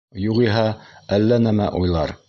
Юғиһә, әллә нәмә уйлар.